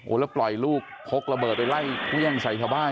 แล้วปล่อยลูกพกระเบิดไปไล่เครื่องใส่ชาวบ้าน